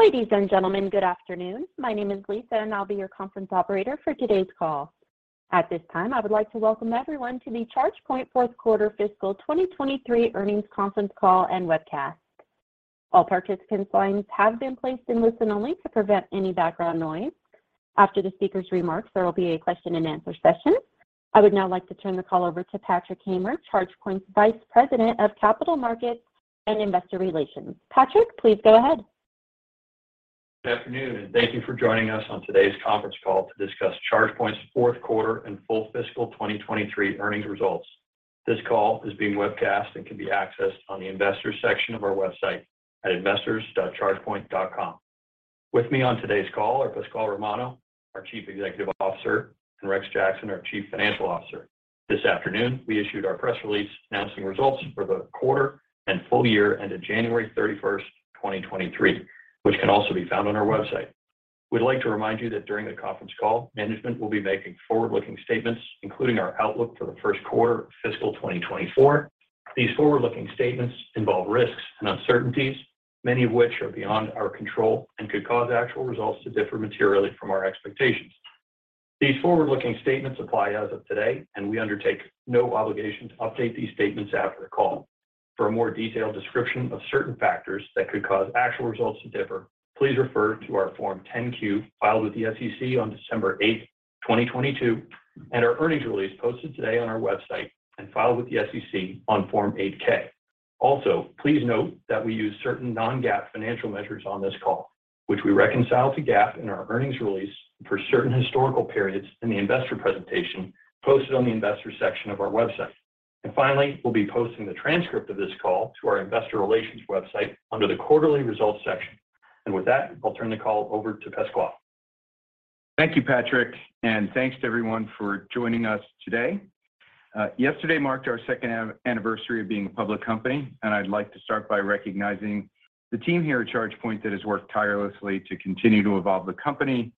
Ladies and gentlemen, good afternoon. My name is Lisa, and I'll be your conference operator for today's call. At this time, I would like to welcome everyone to the ChargePoint Fourth Quarter Fiscal 2023 Earnings Conference Call and Webcast. All participants' lines have been placed in listen-only to prevent any background noise. After the speaker's remarks, there will be a question-and-answer session. I would now like to turn the call over to Patrick Hamer, ChargePoint's Vice President of Capital Markets and Investor Relations. Patrick, please go ahead. Good afternoon, and thank you for joining us on today's conference call to discuss ChargePoint's fourth quarter and full fiscal 2023 earnings results. This call is being webcast and can be accessed on the Investors section of our website at investors.chargepoint.com. With me on today's call are Pasquale Romano, our Chief Executive Officer, and Rex Jackson, our Chief Financial Officer. This afternoon, we issued our press release announcing results for the quarter and full year ended January 31st, 2023, which can also be found on our website. We'd like to remind you that during the conference call, management will be making forward-looking statements, including our outlook for the first quarter of fiscal 2024. These forward-looking statements involve risks and uncertainties, many of which are beyond our control and could cause actual results to differ materially from our expectations. These forward-looking statements apply as of today, we undertake no obligation to update these statements after the call. For a more detailed description of certain factors that could cause actual results to differ, please refer to our Form 10-Q filed with the SEC on December 8, 2022, and our earnings release posted today on our website and filed with the SEC on Form 8-K. Also, please note that we use certain non-GAAP financial measures on this call, which we reconcile to GAAP in our earnings release for certain historical periods in the investor presentation posted on the Investors section of our website. Finally, we'll be posting the transcript of this call to our investor relations website under the Quarterly Results section. With that, I'll turn the call over to Pasquale. Thank you, Patrick, and thanks to everyone for joining us today. Yesterday marked our second anniversary of being a public company. I'd like to start by recognizing the team here at ChargePoint that has worked tirelessly to continue to evolve the company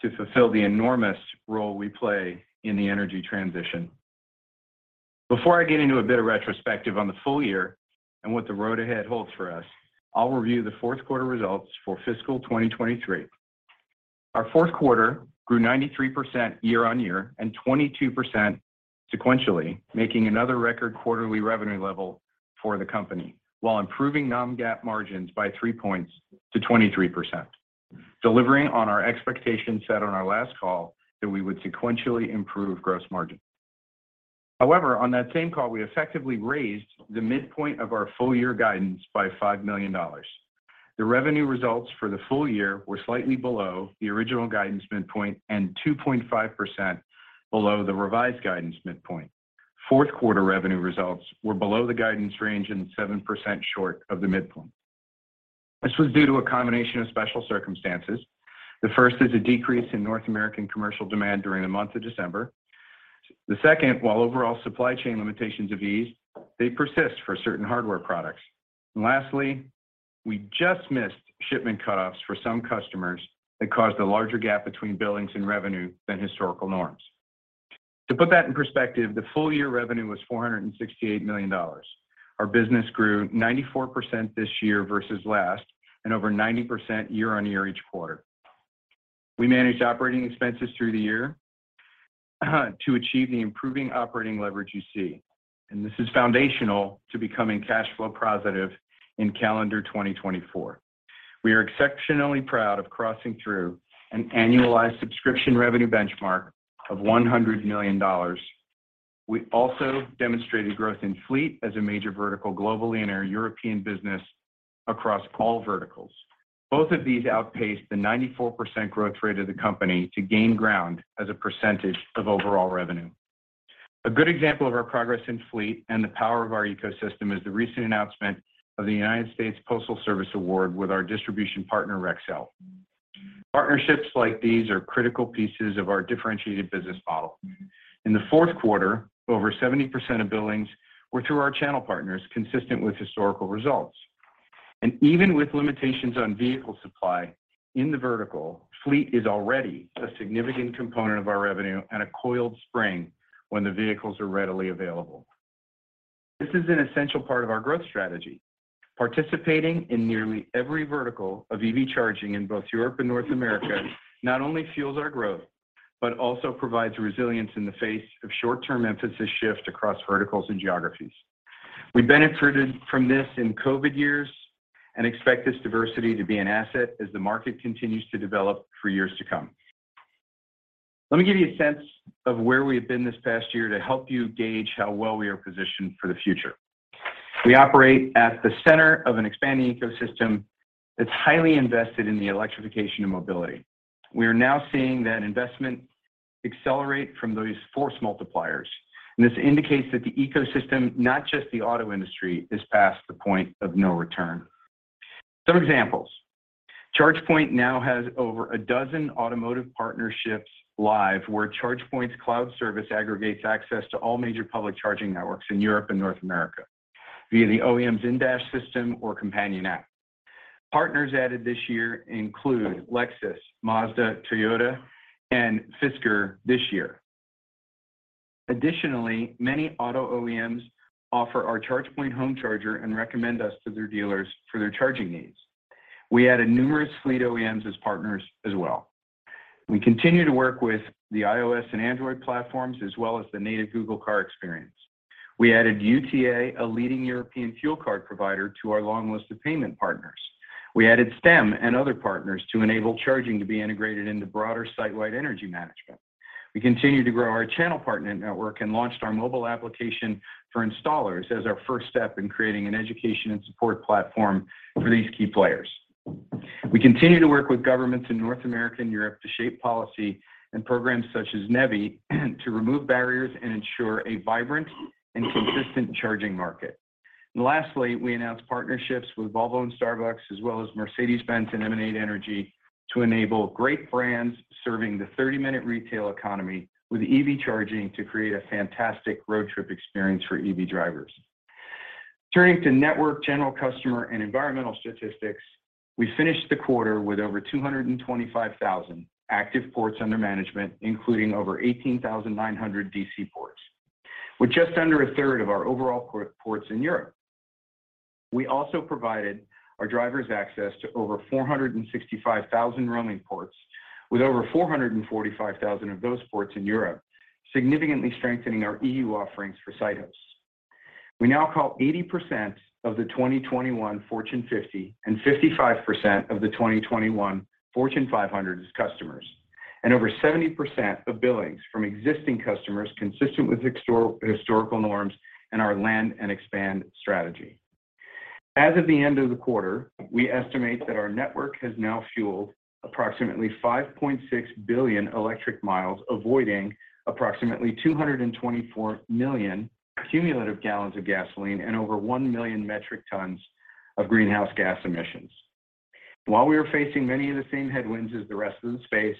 to fulfill the enormous role we play in the energy transition. Before I get into a bit of retrospective on the full year and what the road ahead holds for us, I'll review the fourth quarter results for fiscal 2023. Our fourth quarter grew 93% year-on-year and 22% sequentially, making another record quarterly revenue level for the company while improving non-GAAP margins by three points to 23%, delivering on our expectations set on our last call that we would sequentially improve gross margin. On that same call, we effectively raised the midpoint of our full year guidance by $5 million. The revenue results for the full year were slightly below the original guidance midpoint and 2.5% below the revised guidance midpoint. Fourth quarter revenue results were below the guidance range and 7% short of the midpoint. This was due to a combination of special circumstances. The first is a decrease in North American commercial demand during the month of December. The second, while overall supply chain limitations have eased, they persist for certain hardware products. Lastly, we just missed shipment cut-offs for some customers that caused a larger gap between billings and revenue than historical norms. To put that in perspective, the full year revenue was $468 million. Our business grew 94% this year versus last and over 90% year-on-year each quarter. We managed operating expenses through the year to achieve the improving operating leverage you see. This is foundational to becoming cash flow positive in calendar 2024. We are exceptionally proud of crossing through an annualized subscription revenue benchmark of $100 million. We also demonstrated growth in fleet as a major vertical globally in our European business across all verticals. Both of these outpaced the 94% growth rate of the company to gain ground as a percentage of overall revenue. A good example of our progress in fleet and the power of our ecosystem is the recent announcement of the United States Postal Service award with our distribution partner, Rexel. Partnerships like these are critical pieces of our differentiated business model. In the fourth quarter, over 70% of billings were through our channel partners, consistent with historical results. Even with limitations on vehicle supply in the vertical, fleet is already a significant component of our revenue and a coiled spring when the vehicles are readily available. This is an essential part of our growth strategy. Participating in nearly every vertical of EV charging in both Europe and North America not only fuels our growth, but also provides resilience in the face of short-term emphasis shift across verticals and geographies. We benefited from this in COVID years and expect this diversity to be an asset as the market continues to develop for years to come. Let me give you a sense of where we have been this past year to help you gauge how well we are positioned for the future. We operate at the center of an expanding ecosystem that's highly invested in the electrification of mobility. We are now seeing that investment accelerate from those force multipliers. This indicates that the ecosystem, not just the auto industry, is past the point of no return. Some examples. ChargePoint now has over 12 automotive partnerships live where ChargePoint's cloud service aggregates access to all major public charging networks in Europe and North America via the OEM's in-dash system or companion app. Partners added this year include Lexus, Mazda, Toyota, and Fisker this year. Additionally, many auto OEMs offer our ChargePoint home charger and recommend us to their dealers for their charging needs. We added numerous fleet OEMs as partners as well. We continue to work with the iOS and Android platforms, as well as the native Google car experience. We added UTA, a leading European fuel card provider, to our long list of payment partners. We added Stem and other partners to enable charging to be integrated into broader site-wide energy management. We continue to grow our channel partner network and launched our mobile application for installers as our first step in creating an education and support platform for these key players. We continue to work with governments in North America and Europe to shape policy and programs such as NEVI to remove barriers and ensure a vibrant and consistent charging market. Lastly, we announced partnerships with Volvo and Starbucks, as well as Mercedes-Benz and MN8 Energy to enable great brands serving the 30-minute retail economy with EV charging to create a fantastic road trip experience for EV drivers. Turning to network, general customer, and environmental statistics, we finished the quarter with over 225,000 active ports under management, including over 18,900 DC ports, with just under a third of our overall ports in Europe. We also provided our drivers access to over 465,000 roaming ports with over 445,000 of those ports in Europe, significantly strengthening our EU offerings for site hosts. We now call 80% of the 2021 Fortune 50 and 55% of the 2021 Fortune 500 as customers, and over 70% of billings from existing customers consistent with historical norms and our land and expand strategy. As of the end of the quarter, we estimate that our network has now fueled approximately 5.6 billion electric miles, avoiding approximately 224 million cumulative gallons of gasoline and over 1 million metric tons of greenhouse gas emissions. While we are facing many of the same headwinds as the rest of the space,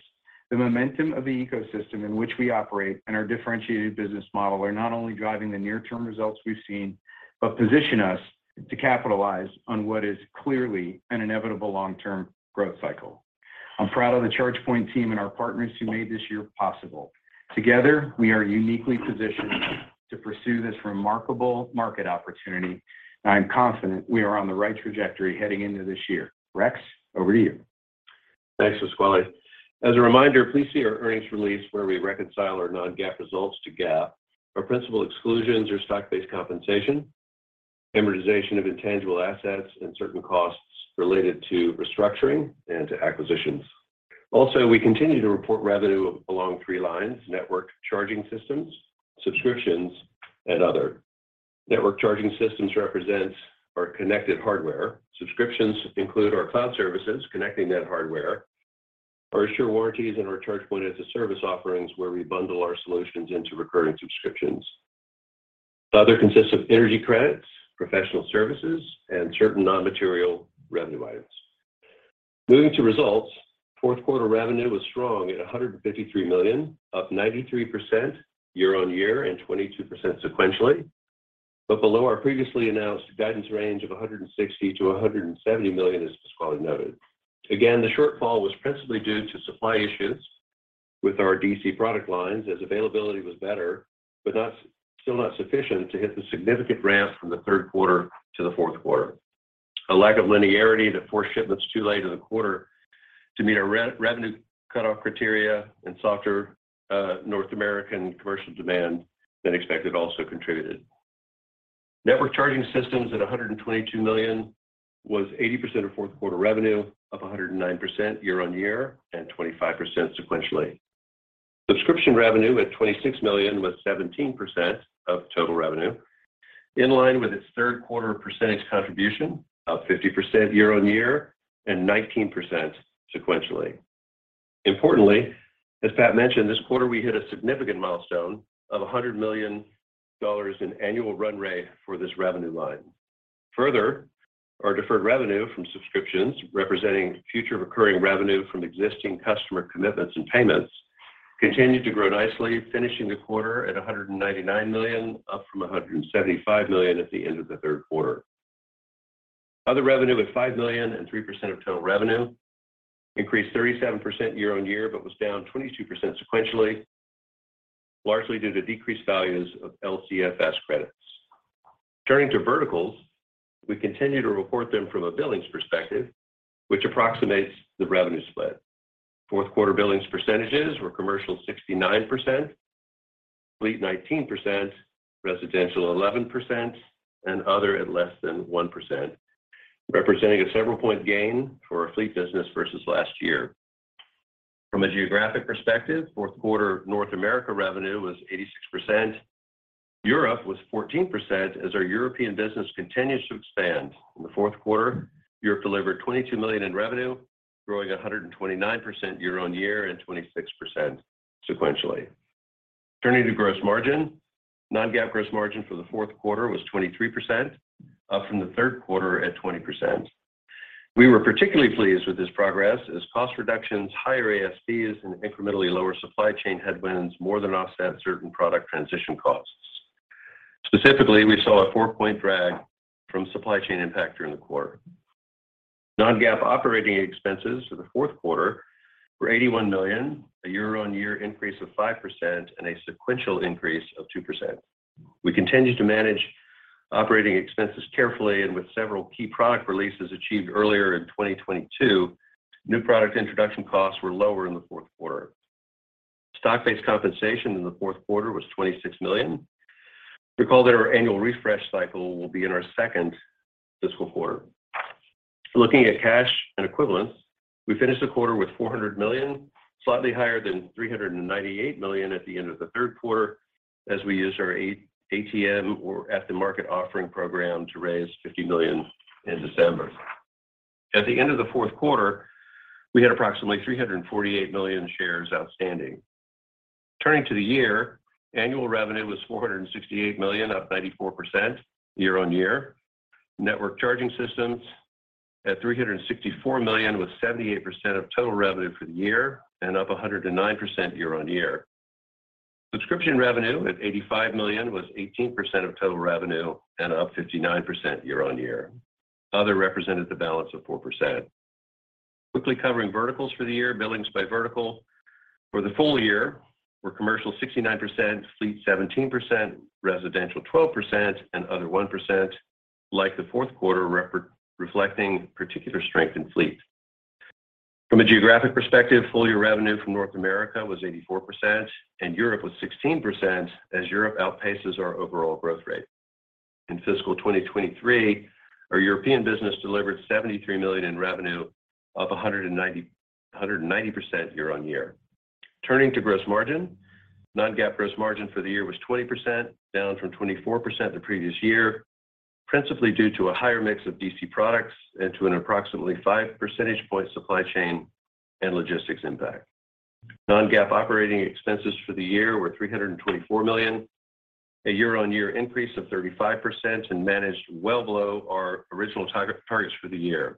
the momentum of the ecosystem in which we operate and our differentiated business model are not only driving the near term results we've seen, but position us to capitalize on what is clearly an inevitable long-term growth cycle. I'm proud of the ChargePoint team and our partners who made this year possible. Together, we are uniquely positioned to pursue this remarkable market opportunity. I'm confident we are on the right trajectory heading into this year. Rex, over to you. Thanks, Pasquale. As a reminder, please see our earnings release where we reconcile our non-GAAP results to GAAP. Our principal exclusions are stock-based compensation, amortization of intangible assets, and certain costs related to restructuring and to acquisitions. We continue to report revenue along three lines: network charging systems, subscriptions, and other. Network charging systems represents our connected hardware. Subscriptions include our cloud services connecting that hardware. Our Assure warranties and our ChargePoint as a Service offerings, where we bundle our solutions into recurring subscriptions. Other consists of energy credits, professional services, and certain non-material revenue items. Moving to results, fourth quarter revenue was strong at $153 million, up 93% year-over-year and 22% sequentially, but below our previously announced guidance range of $160 million-$170 million, as Pasquale noted. The shortfall was principally due to supply issues with our DC product lines, as availability was better, but not, still not sufficient to hit the significant ramp from the third quarter to the fourth quarter. A lack of linearity that forced shipments too late in the quarter to meet our re-revenue cutoff criteria and softer North American commercial demand than expected also contributed. Network charging systems at $122 million was 80% of fourth quarter revenue, up 109% year-over-year and 25% sequentially. Subscription revenue at $26 million was 17% of total revenue, in line with its third quarter percentage contribution, up 50% year-over-year and 19% sequentially. Importantly, as Pat mentioned, this quarter we hit a significant milestone of $100 million in annual run rate for this revenue line. Our deferred revenue from subscriptions representing future recurring revenue from existing customer commitments and payments continued to grow nicely, finishing the quarter at $199 million, up from $175 million at the end of the third quarter. Other revenue at $5 million and 3% of total revenue increased 37% year-over-year, was down 22% sequentially, largely due to decreased values of LCFS credits. Turning to verticals, we continue to report them from a billings perspective, which approximates the revenue split. Fourth quarter billings percentages were commercial 69%, fleet 19%, residential 11%, and other at less than 1%, representing a several point gain for our fleet business versus last year. From a geographic perspective, fourth quarter North America revenue was 86%. Europe was 14% as our European business continues to expand. In the fourth quarter, Europe delivered $22 million in revenue, growing 129% year-on-year and 26% sequentially. Turning to gross margin, non-GAAP gross margin for the fourth quarter was 23%, up from the third quarter at 20%. We were particularly pleased with this progress as cost reductions, higher ASPs, incrementally lower supply chain headwinds more than offset certain product transition costs. Specifically, we saw a 4-point drag from supply chain impact during the quarter. Non-GAAP operating expenses for the fourth quarter were $81 million, a year-on-year increase of 5% and a sequential increase of 2%. We continue to manage operating expenses carefully, with several key product releases achieved earlier in 2022, new product introduction costs were lower in the fourth quarter. Stock-based compensation in the fourth quarter was $26 million. Recall that our annual refresh cycle will be in our second fiscal quarter. Looking at cash and equivalents, we finished the quarter with $400 million, slightly higher than $398 million at the end of the third quarter, as we used our ATM or at-the-market offering program to raise $50 million in December. At the end of the fourth quarter, we had approximately 348 million shares outstanding. Turning to the year, annual revenue was $468 million, up 94% year-over-year. Network charging systems at $364 million, with 78% of total revenue for the year and up 109% year-over-year. Subscription revenue at $85 million was 18% of total revenue and up 59% year-over-year. Other represented the balance of 4%. Quickly covering verticals for the year, billings by vertical for the full year were commercial 69%, fleet 17%, residential 12%, and other 1%, like the fourth quarter reflecting particular strength in fleet. From a geographic perspective, full year revenue from North America was 84% and Europe was 16%, as Europe outpaces our overall growth rate. In fiscal 2023, our European business delivered $73 million in revenue, up 190% year-on-year. Turning to gross margin, non-GAAP gross margin for the year was 20%, down from 24% the previous year, principally due to a higher mix of DC products and to an approximately 5 percentage point supply chain and logistics impact. Non-GAAP operating expenses for the year were $324 million, a year-on-year increase of 35%, and managed well below our original targets for the year.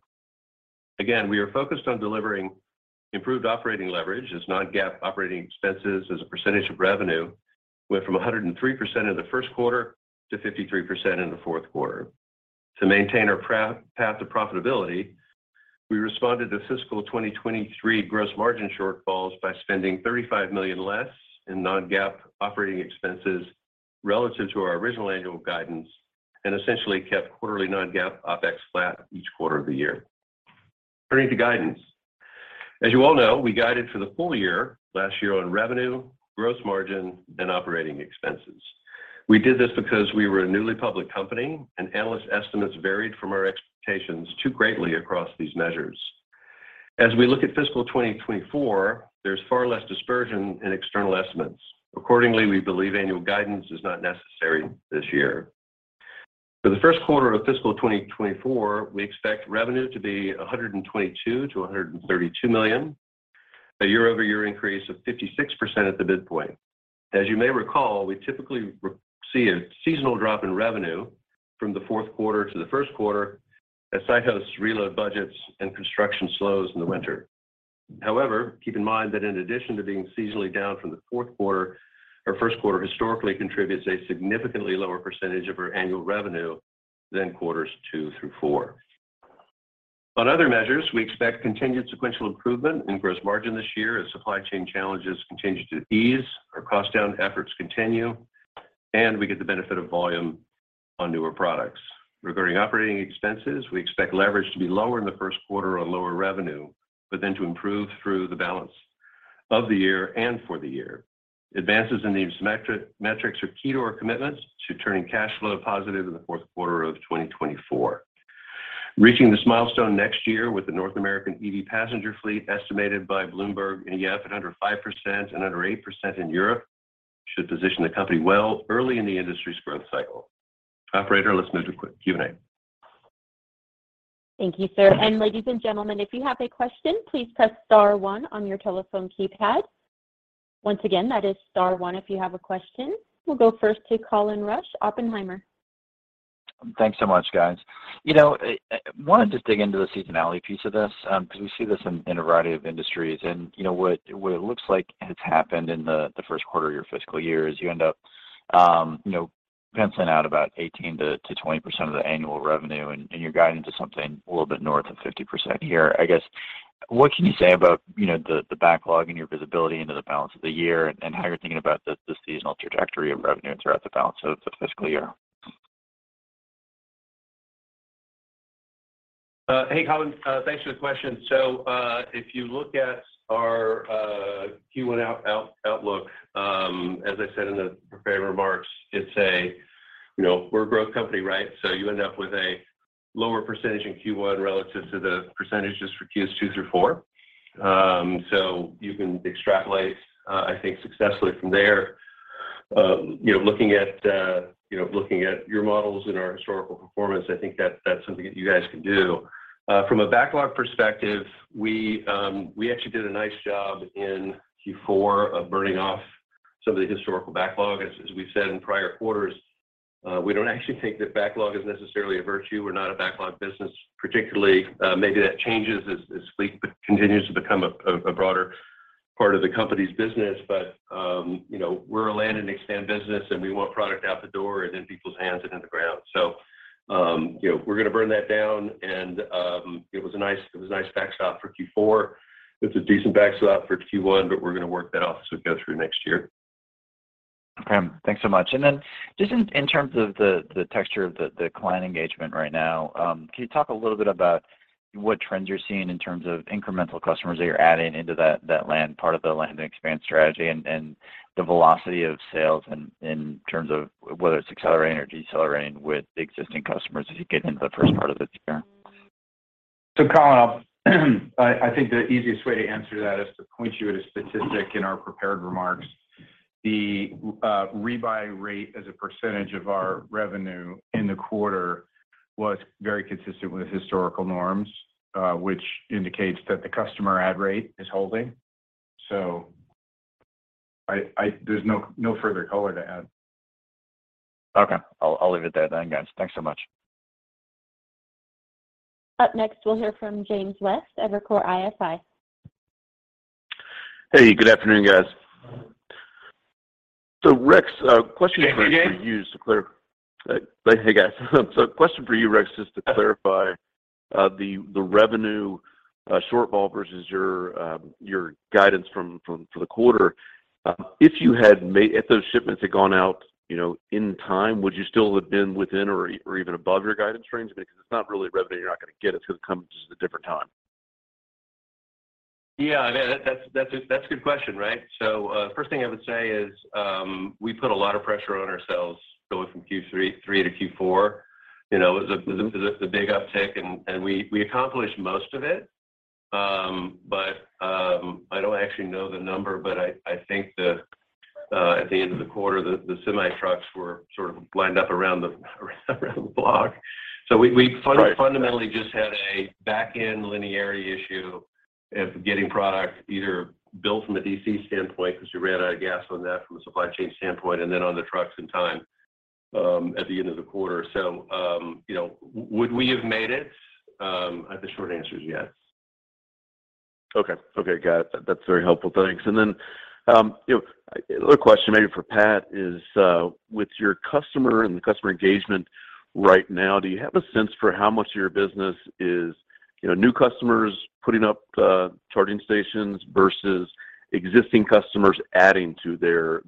Again, we are focused on delivering improved operating leverage, as non-GAAP operating expenses as a percentage of revenue went from 103% in the first quarter to 53% in the fourth quarter. To maintain our path to profitability, we responded to fiscal 2023 gross margin shortfalls by spending $35 million less in non-GAAP operating expenses relative to our original annual guidance and essentially kept quarterly non-GAAP OpEx flat each quarter of the year. Turning to guidance. As you all know, we guided for the full year last year on revenue, gross margin and operating expenses. We did this because we were a newly public company. Analyst estimates varied from our expectations too greatly across these measures. As we look at fiscal 2024, there's far less dispersion in external estimates. Accordingly, we believe annual guidance is not necessary this year. For the first quarter of fiscal 2024, we expect revenue to be $122 million-$132 million, a year-over-year increase of 56% at the midpoint. As you may recall, we typically see a seasonal drop in revenue from the fourth quarter to the first quarter as site hosts reload budgets and construction slows in the winter. However, keep in mind that in addition to being seasonally down from the fourth quarter, our first quarter historically contributes a significantly lower percentage of our annual revenue than quarters two through four. On other measures, we expect continued sequential improvement in gross margin this year as supply chain challenges continue to ease, our cost down efforts continue, and we get the benefit of volume on newer products. Regarding operating expenses, we expect leverage to be lower in the first quarter on lower revenue, to improve through the balance of the year and for the year. Advances in these metrics are key to our commitments to turning cash flow positive in the 4th quarter of 2024. Reaching this milestone next year with the North American EV passenger fleet estimated by BloombergNEF at under 5% and under 8% in Europe should position the company well early in the industry's growth cycle. Operator, let's move to Q&A. Thank you, sir. Ladies and gentlemen, if you have a question, please press star one on your telephone keypad. Once again, that is star one if you have a question. We'll go first to Colin Rusch, Oppenheimer. Thanks so much, guys. You know, I wanted to dig into the seasonality piece of this, 'cause we see this in a variety of industries. You know, what it looks like has happened in the first quarter of your fiscal year is you end up, you know, penciling out about 18%-20% of the annual revenue, and you're guiding to something a little bit north of 50% here. I guess, what can you say about, you know, the backlog and your visibility into the balance of the year and how you're thinking about the seasonal trajectory of revenue throughout the balance of the fiscal year? Hey, Colin. Thanks for the question. If you look at our Q1 outlook, as I said in the prepared remarks, it's a, you know, we're a growth company, right? You end up with a lower percentage in Q1 relative to the percentages for Qs two through four. You can extrapolate, I think successfully from there. You know, looking at, you know, looking at your models and our historical performance, I think that's something that you guys can do. From a backlog perspective, we actually did a nice job in Q4 of burning off some of the historical backlog. As we've said in prior quarters, we don't actually think that backlog is necessarily a virtue. We're not a backlog business particularly. Maybe that changes as fleet continues to become a broader part of the company's business. you know, we're a Land and Expand business, and we want product out the door and in people's hands and in the ground. you know, we're gonna burn that down and it was a nice, it was a nice backstop for Q4. It's a decent backstop for Q1. We're gonna work that off as we go through next year. Okay. Thanks so much. Just in terms of the texture of the client engagement right now, can you talk a little bit about what trends you're seeing in terms of incremental customers that you're adding into that land part of the land and expand strategy and the velocity of sales in terms of whether it's accelerating or decelerating with the existing customers as you get into the first part of this year? Colin, I think the easiest way to answer that is to point you at a statistic in our prepared remarks. The rebuy rate as a percentage of our revenue in the quarter was very consistent with historical norms, which indicates that the customer add rate is holding. There's no further color to add. I'll leave it there then, guys. Thanks so much. Up next, we'll hear from James West, Evercore ISI. Hey, good afternoon, guys. Rex, a question for you? Hey, Jay. Hey guys. Question for you, Rex, just to clarify, the revenue shortfall versus your guidance from for the quarter. If you had if those shipments had gone out, you know, in time, would you still have been within or even above your guidance range? It's not really revenue you're not gonna get, it's gonna come just at a different time. Yeah, no, that's, that's a good question, right? First thing I would say is, we put a lot of pressure on ourselves going from Q3 to Q4. You know, it was a big uptick and we accomplished most of it. I don't actually know the number, but I think the at the end of the quarter, the semi-trucks were sort of lined up around the block. We fundamentally just had a back end linearity issue of getting product either built from a DC standpoint 'cause we ran out of gas on that from a supply chain standpoint, and then on the trucks and time at the end of the quarter. You know, would we have made it? The short answer is yes. Okay. Okay. Got it. That's very helpful. Thanks. You know, a little question maybe for Pat is, with your customer and the customer engagement right now, do you have a sense for how much of your business is, you know, new customers putting up charging stations versus existing customers adding to their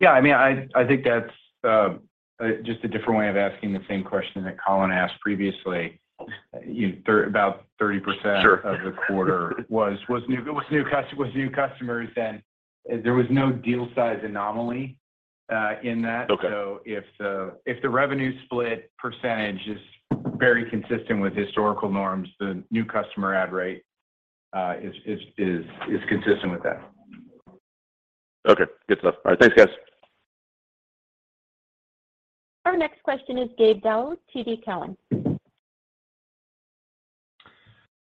charging networks? Yeah, I mean, I think that's just a different way of asking the same question that Colin asked previously. about 30%. Sure. Of the quarter was new, it was new customers, and there was no deal size anomaly in that. Okay. If the revenue split percentage is very consistent with historical norms, the new customer add rate is consistent with that. Okay. Good stuff. All right. Thanks, guys. Our next question is Gabe Daoud, TD Cowen.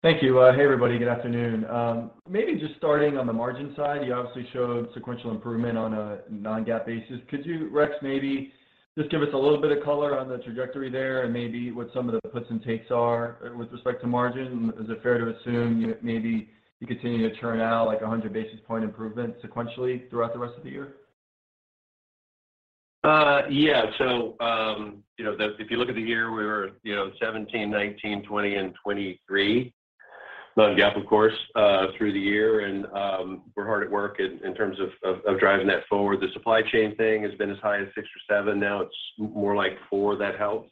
Thank you. Hey, everybody. Good afternoon. Maybe just starting on the margin side, you obviously showed sequential improvement on a non-GAAP basis. Could you, Rex, maybe just give us a little bit of color on the trajectory there and maybe what some of the puts and takes are with respect to margin? Is it fair to assume maybe you continue to churn out like 100 basis point improvements sequentially throughout the rest of the year? Yeah. You know, if you look at the year, we were, you know, 17, 19, 20 and 23, non-GAAP, of course, through the year. We're hard at work in terms of driving that forward. The supply chain thing has been as high as six or seven, now it's more like four. That helps.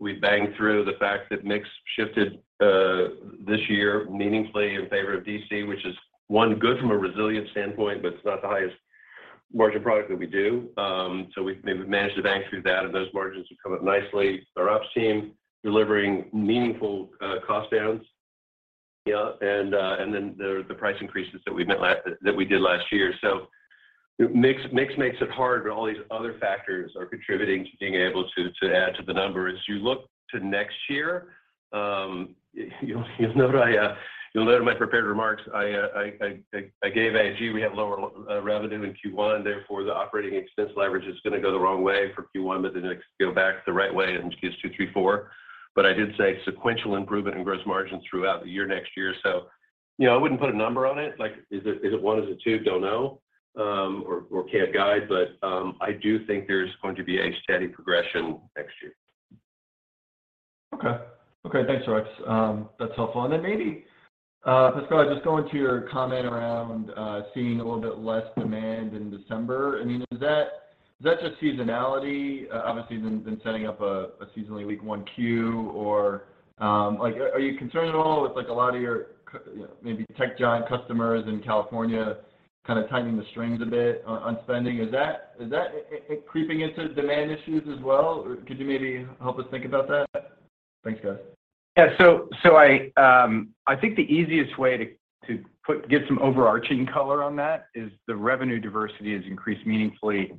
We banged through the fact that mix shifted this year meaningfully in favor of DC, which is, one good from a resilience standpoint, but it's not the highest margin product that we do. We've managed to bang through that, and those margins have come up nicely. Our ops team delivering meaningful cost downs. Yeah. The price increases that we did last year. Mix makes it hard, but all these other factors are contributing to being able to add to the number. As you look to next year, you'll note I, you'll note in my prepared remarks, I gave AG we have lower revenue in Q1, therefore the operating expense leverage is gonna go the wrong way for Q1, but then it's go back the right way in Q2, Q3, Q4. I did say sequential improvement in gross margins throughout the year next year. You know, I wouldn't put a number on it. Like, is it one? Is it two? Don't know, or can't guide. I do think there's going to be a steady progression next year. Okay. Okay. Thanks, Rex. That's helpful. Maybe, Pasquale, just going to your comment around seeing a little bit less demand in December. I mean, is that just seasonality? Obviously been setting up a seasonally weak 1Q or like are you concerned at all with like a lot of your maybe tech giant customers in California kinda tightening the strings a bit on spending? Is that creeping into demand issues as well, or could you maybe help us think about that? Thanks, guys. I think the easiest way to give some overarching color on that is the revenue diversity has increased meaningfully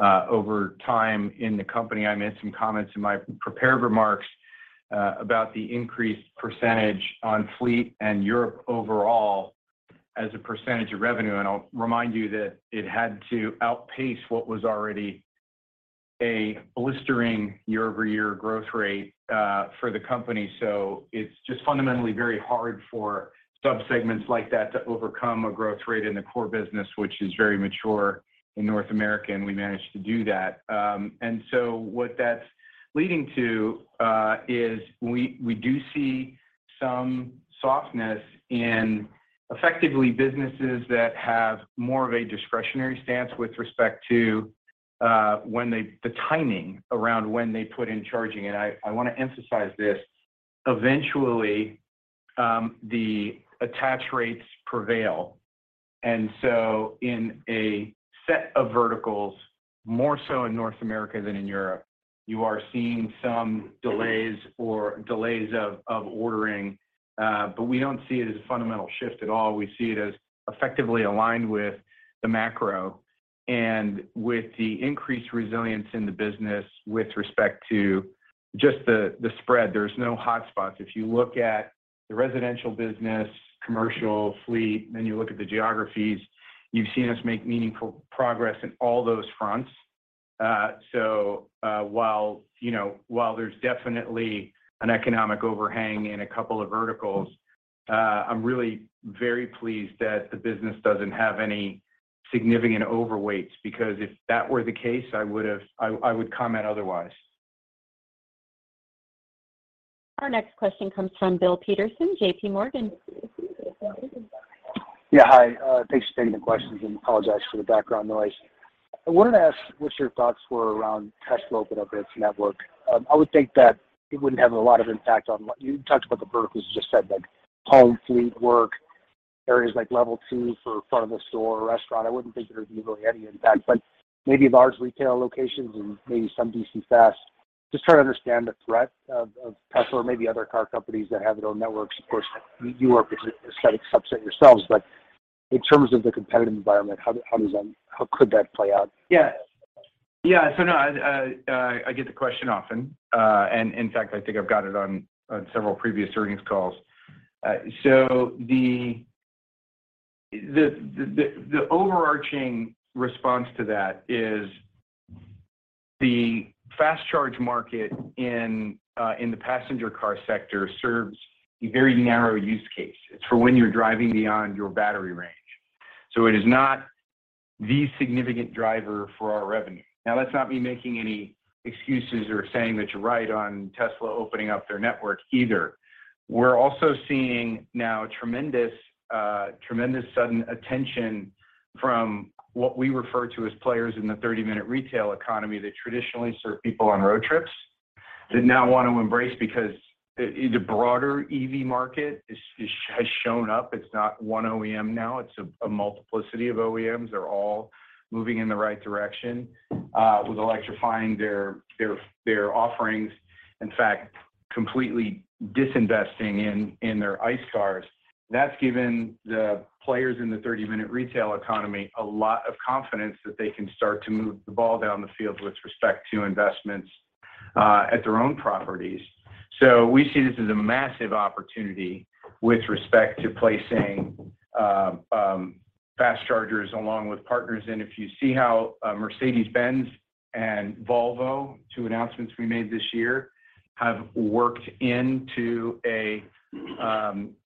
over time in the company. I made some comments in my prepared remarks about the increased percentage on fleet and Europe overall as a percentage of revenue, and I'll remind you that it had to outpace what was already. A blistering year-over-year growth rate for the company. It's just fundamentally very hard for subsegments like that to overcome a growth rate in the core business, which is very mature in North America, and we managed to do that. What that's leading to, is we do see some softness in effectively businesses that have more of a discretionary stance with respect to, the timing around when they put in charging. I wanna emphasize this. Eventually, the attach rates prevail. In a set of verticals, more so in North America than in Europe, you are seeing some delays of ordering. We don't see it as a fundamental shift at all. We see it as effectively aligned with the macro and with the increased resilience in the business with respect to just the spread. There's no hotspots. If you look at the residential business, commercial fleet, then you look at the geographies, you've seen us make meaningful progress in all those fronts. While, you know, while there's definitely an economic overhang in a couple of verticals, I'm really very pleased that the business doesn't have any significant overweights, because if that were the case, I would comment otherwise. Our next question comes from Bill Peterson, JPMorgan. Yeah. Hi, thanks for taking the questions, apologize for the background noise. I wanted to ask what your thoughts were around Tesla opening up its network. I would think that it wouldn't have a lot of impact on what. You talked about the verticals. You just said, like, home, fleet, work, areas like Level 2 for front of a store or restaurant. I wouldn't think there would be really any impact. Maybe large retail locations and maybe some DC fast. Just trying to understand the threat of Tesla or maybe other car companies that have their own networks. Of course, you are a subset yourselves. In terms of the competitive environment, how could that play out? Yeah. Yeah. No, I get the question often. In fact, I think I've got it on several previous earnings calls. The overarching response to that is the fast charge market in the passenger car sector serves a very narrow use case. It's for when you're driving beyond your battery range. It is not the significant driver for our revenue. Now, that's not me making any excuses or saying that you're right on Tesla opening up their network either. We're also seeing now tremendous sudden attention from what we refer to as players in the 30-minute retail economy that traditionally serve people on road trips that now want to embrace because the broader EV market is has shown up. It's not one OEM now. It's a multiplicity of OEMs. They're all moving in the right direction, with electrifying their offerings. In fact, completely disinvesting in their ICE cars. That's given the players in the 30-minute retail economy a lot of confidence that they can start to move the ball down the field with respect to investments, at their own properties. We see this as a massive opportunity with respect to placing fast chargers along with partners. If you see how Mercedes-Benz and Volvo, two announcements we made this year, have worked into a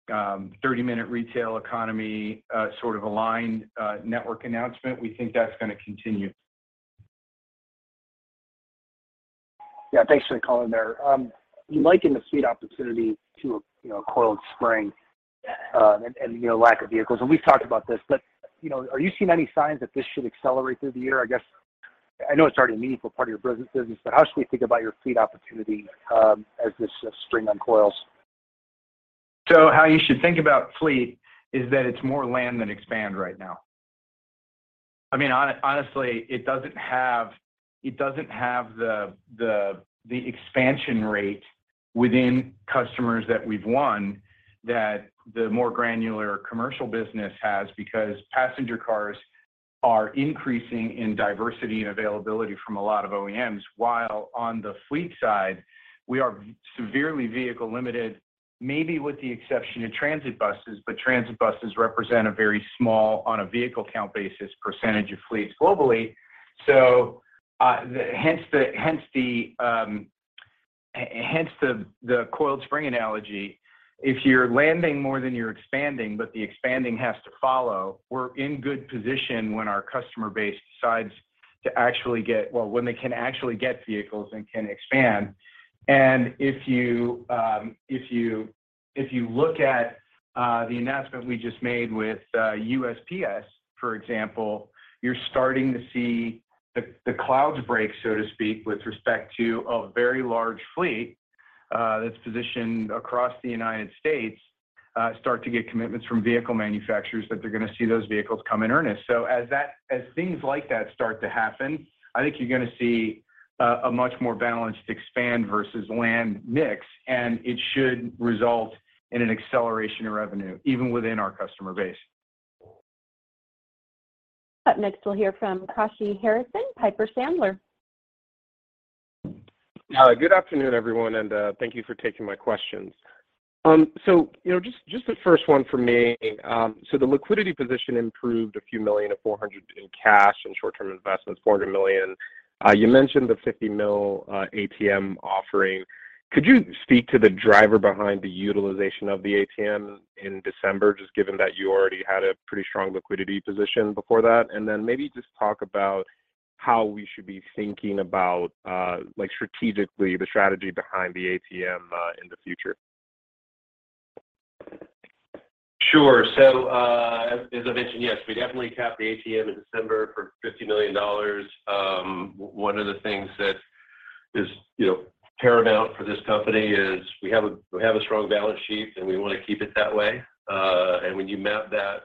30-minute retail economy, sort of aligned, network announcement, we think that's gonna continue. Yeah, thanks for the color there. You liken the fleet opportunity to a, you know, coiled spring, and, you know, lack of vehicles, and we've talked about this. You know, are you seeing any signs that this should accelerate through the year? I guess, I know it's already a meaningful part of your business, but how should we think about your fleet opportunity as this spring uncoils? How you should think about fleet is that it's more land than expand right now. I mean, honestly, it doesn't have the expansion rate within customers that we've won that the more granular commercial business has because passenger cars are increasing in diversity and availability from a lot of OEMs, while on the fleet side, we are severely vehicle limited, maybe with the exception of transit buses, but transit buses represent a very small, on a vehicle count basis, percentage of fleets globally. Hence the coiled spring analogy. If you're landing more than you're expanding, but the expanding has to follow, we're in good position when our customer base decides to actually when they can actually get vehicles and can expand. If you look at the announcement we just made with USPS, for example, you're starting to see the clouds break, so to speak, with respect to a very large fleet that's positioned across the United States, start to get commitments from vehicle manufacturers that they're gonna see those vehicles come in earnest. So as things like that start to happen, I think you're gonna see a much more balanced expand versus land mix, and it should result in an acceleration of revenue, even within our customer base. Up next, we'll hear from Kashy Harrison, Piper Sandler. Yeah. Good afternoon, everyone, and thank you for taking my questions. You know, just the first one for me. The liquidity position improved a few million of 400 in cash and short-term investments, $400 million. You mentioned the $50 million ATM offering. Could you speak to the driver behind the utilization of the ATM in December, just given that you already had a pretty strong liquidity position before that? Maybe just talk about how we should be thinking about, like strategically, the strategy behind the ATM in the future. As I mentioned, yes, we definitely capped the ATM in December for $50 million. One of the things that is, you know, paramount for this company is we have a strong balance sheet, and we want to keep it that way. When you map that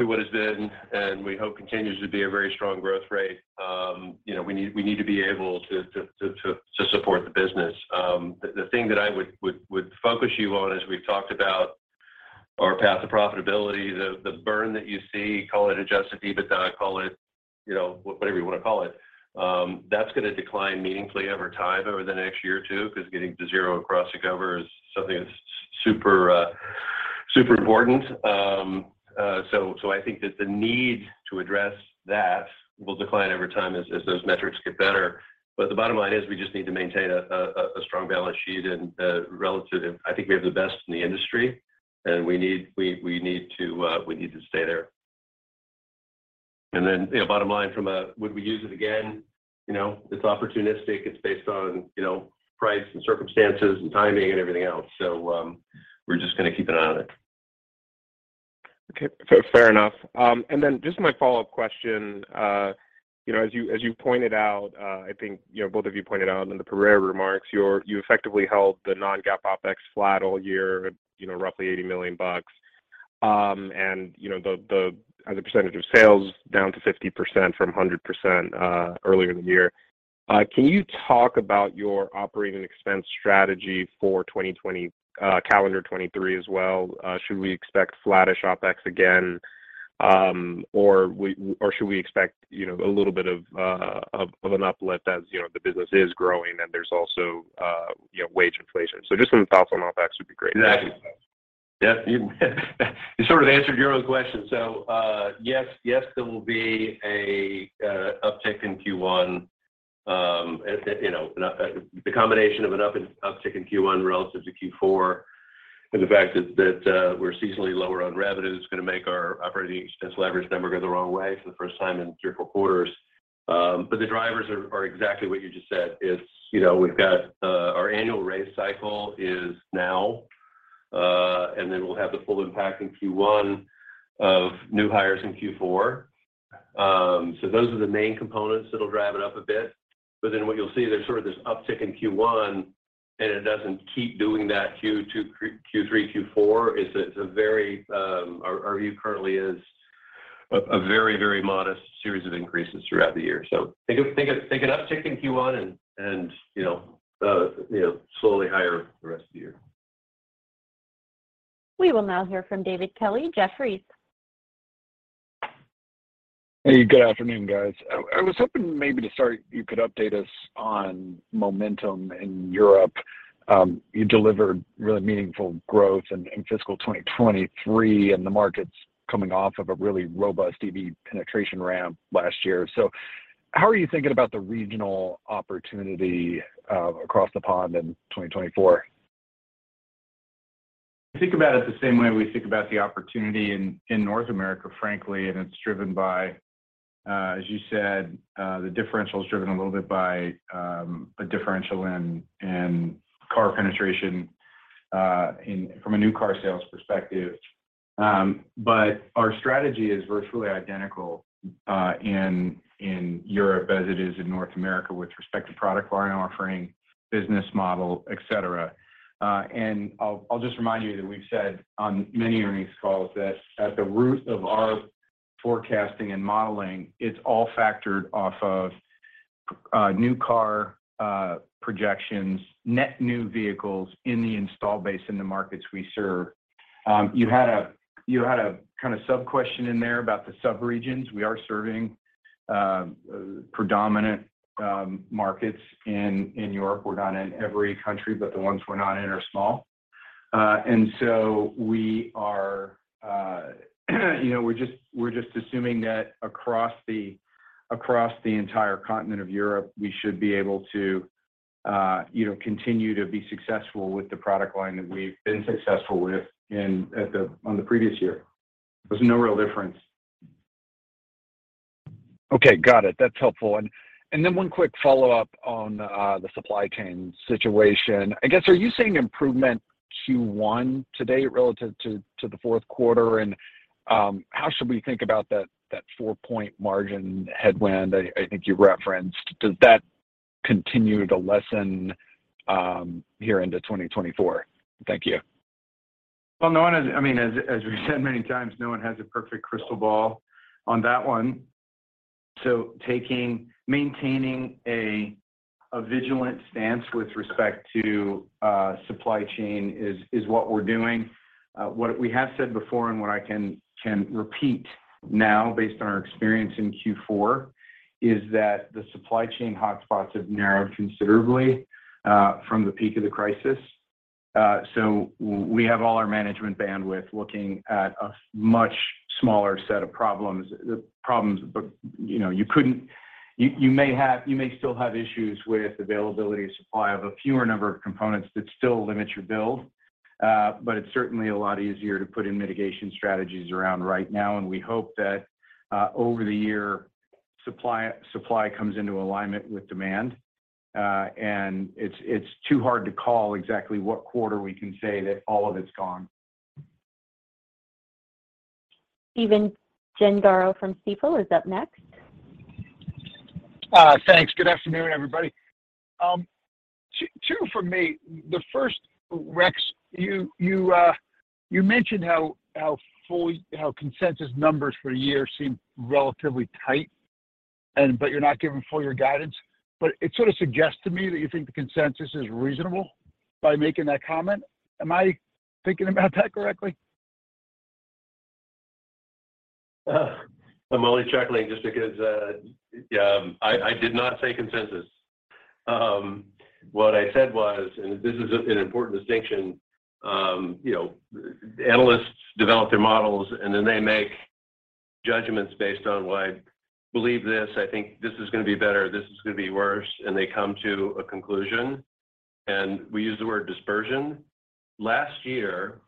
to what has been and, we hope, continues to be a very strong growth rate, you know, we need to be able to support the business. The thing that I would focus you on as we've talked about our path to profitability, the burn that you see, call it adjusted EBITDA, call it whatever you want to call it, that's gonna decline meaningfully over time over the next year or two 'cause getting to zero across the cover is something that's super important. I think that the need to address that will decline over time as those metrics get better. The bottom line is we just need to maintain a strong balance sheet and I think we have the best in the industry, and we need to stay there. Bottom line from a would we use it again, it's opportunistic. It's based on, you know, price and circumstances and timing and everything else. We're just gonna keep an eye on it. Okay. Fair, fair enough. Then just my follow-up question. You know, as you, as you pointed out, I think, you know, both of you pointed out in the prepared remarks, you effectively held the non-GAAP OpEx flat all year at, you know, roughly $80 million. You know, as a percentage of sales down to 50% from 100% earlier in the year. Can you talk about your operating expense strategy for 2020, calendar 2023 as well? Should we expect flattish OpEx again? Or should we expect, you know, a little bit of an uplift as, you know, the business is growing and there's also, you know, wage inflation? Just some thoughts on OpEx would be great. Yeah. Yeah. You sort of answered your own question. Yes, yes, there will be a uptick in Q1. You know, the combination of an uptick in Q1 relative to Q4 and the fact that we're seasonally lower on revenue is gonna make our operating expense leverage number go the wrong way for the first time in three or four quarters. The drivers are exactly what you just said. It's, you know, we've got our annual raise cycle is now. We'll have the full impact in Q1 of new hires in Q4. Those are the main components that'll drive it up a bit. What you'll see, there's sort of this uptick in Q1, and it doesn't keep doing that Q2, Q3, Q4. It's a, it's a very. Our view currently is a very, very modest series of increases throughout the year. Think of an uptick in Q1 and, you know, slowly higher the rest of the year. We will now hear from David Kelley, Jefferies. Hey, good afternoon, guys. I was hoping maybe to start, you could update us on momentum in Europe. You delivered really meaningful growth in fiscal 2023, and the market's coming off of a really robust EV penetration ramp last year. How are you thinking about the regional opportunity across the pond in 2024? Think about it the same way we think about the opportunity in North America, frankly. It's driven by, as you said, the differential is driven a little bit by a differential in car penetration from a new car sales perspective. Our strategy is virtually identical in Europe as it is in North America with respect to product line offering, business model, et cetera. I'll just remind you that we've said on many earnings calls that at the root of our forecasting and modeling, it's all factored off of new car projections, net new vehicles in the install base in the markets we serve. You had a kind of sub-question in there about the sub-regions. We are serving predominant markets in Europe. We're not in every country. The ones we're not in are small. We are, you know, we're just assuming that across the entire continent of Europe, we should be able to, you know, continue to be successful with the product line that we've been successful with on the previous year. There's no real difference. Okay. Got it. That's helpful. Then one quick follow-up on the supply chain situation. I guess, are you seeing improvement Q1 today relative to the fourth quarter? How should we think about that four-point margin headwind I think you referenced? Does that continue to lessen here into 2024? Thank you. Well, I mean, as we've said many times, no one has a perfect crystal ball on that one. Maintaining a vigilant stance with respect to supply chain is what we're doing. What we have said before and what I can repeat now based on our experience in Q4 is that the supply chain hotspots have narrowed considerably from the peak of the crisis. We have all our management bandwidth looking at a much smaller set of problems. You know, you may still have issues with availability of supply of a fewer number of components that still limit your build, but it's certainly a lot easier to put in mitigation strategies around right now, and we hope that over the year supply comes into alignment with demand. It's, it's too hard to call exactly what quarter we can say that all of it's gone. Stephen Gengaro from Stifel is up next. Thanks. Good afternoon, everybody. Two for me. The first, Rex, you mentioned how full how consensus numbers for the year seem relatively tight but you're not giving full year guidance. It sort of suggests to me that you think the consensus is reasonable by making that comment. Am I thinking about that correctly? I'm only chuckling just because I did not say consensus. What I said was, and this is, an important distinction, you know, analysts develop their models, and then they make judgments based on, "Well, I believe this. I think this is gonna be better. This is gonna be worse." They come to a conclusion, and we use the word dispersion. Last year,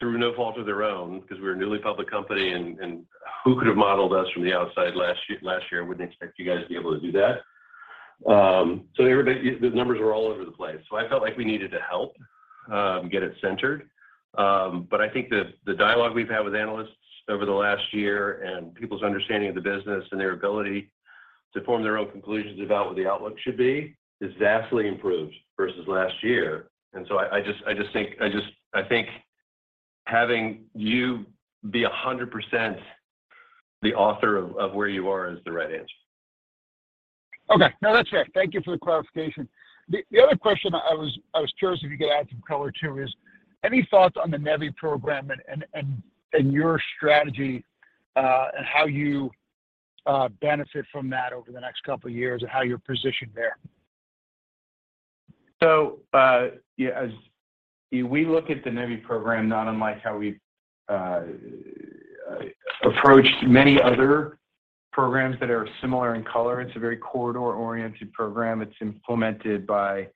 through no fault of their own, because we're a newly public company, and who could have modeled us from the outside last year? I wouldn't expect you guys to be able to do that. Everybody the numbers were all over the place. I felt like we needed to help get it centered. I think the dialogue we've had with analysts over the last year and people's understanding of the business and their ability to form their own conclusions about what the outlook should be is vastly improved versus last year. I think having you be 100% the author of where you are is the right answer. Okay. No, that's fair. Thank you for the clarification. The other question I was curious if you could add some color to, is any thoughts on the NEVI program and your strategy and how you benefit from that over the next couple of years and how you're positioned there? Yeah, as we look at the NEVI program, not unlike how we've approached many other programs that are similar in color, it's a very corridor-oriented program. It's implemented by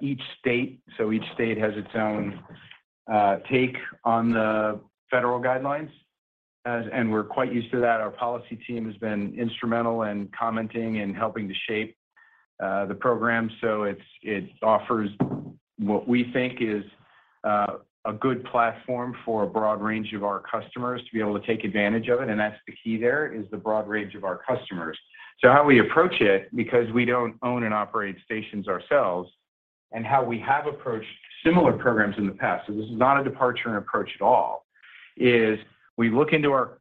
each state, so each state has its own take on the federal guidelines. We're quite used to that. Our policy team has been instrumental in commenting and helping to shape the program. It's, it offers what we think is a good platform for a broad range of our customers to be able to take advantage of it, and that's the key there, is the broad range of our customers. How we approach it, because we don't own and operate stations ourselves, and how we have approached similar programs in the past, so this is not a departure in approach at all, is we look into our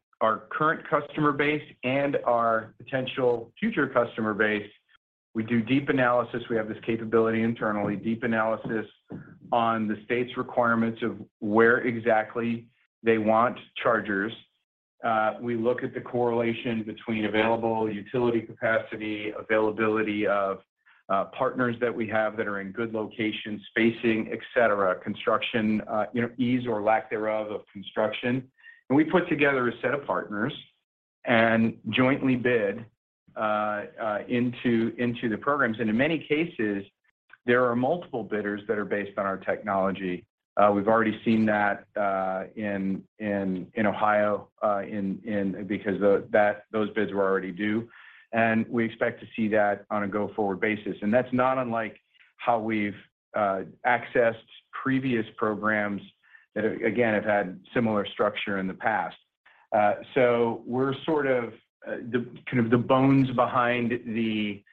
current customer base and our potential future customer base. We do deep analysis. We have this capability internally, deep analysis on the state's requirements of where exactly they want chargers. We look at the correlation between available utility capacity, availability of partners that we have that are in good locations, spacing, et cetera, construction, you know, ease or lack thereof of construction. We put together a set of partners and jointly bid into the programs. In many cases, there are multiple bidders that are based on our technology. We've already seen that in Ohio, because those bids were already due, and we expect to see that on a go-forward basis. That's not unlike how we've accessed previous programs that, again, have had similar structure in the past. We're sort of the kind of the bones behind the